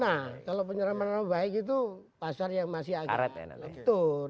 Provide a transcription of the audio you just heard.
nah kalau pencemaran nama baik itu pasar yang masih agak betul